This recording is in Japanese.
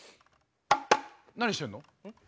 何してるの？